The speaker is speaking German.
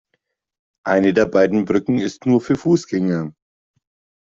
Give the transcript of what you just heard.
Eine der beiden Brücken ist nur für Fußgänger.